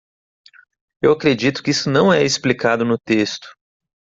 Eu acredito que isso não é explicado no texto.